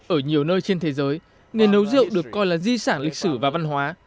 ở nhiều nơi trên thế giới nghề nấu rượu được coi là di sản lịch sử và văn hóa